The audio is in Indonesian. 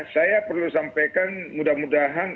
saya perlu sampaikan mudah mudahan